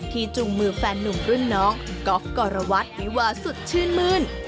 จูงมือแฟนนุ่มรุ่นน้องก๊อฟกรวัตรวิวาสุดชื่นมื้น